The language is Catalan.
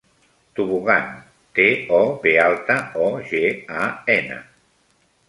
Tobogan: te, o, be alta, o, ge, a, ena.